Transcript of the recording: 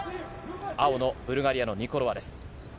青のブルガリアのニコロワです。